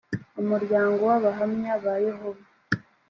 umuryango w abahamya ba yehova